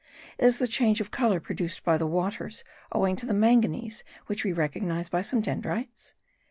Is the change of colour produced by the waters owing to the manganese which we recognize by some dendrites?